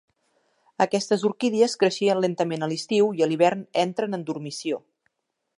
Aquestes orquídies creixien lentament a l'estiu i a l'hivern entren en dormició.